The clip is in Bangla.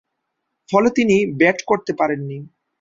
ফলে তিনি ব্যাট করতে পারেননি।